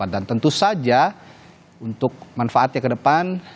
dan tentu saja untuk manfaatnya ke depan